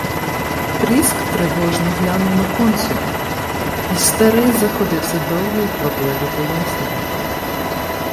Пріск тривожно глянув на консула, й старий заходився довго й квапливо пояснювати: